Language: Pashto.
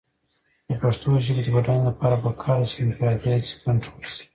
د پښتو ژبې د بډاینې لپاره پکار ده چې انفرادي هڅې کنټرول شي.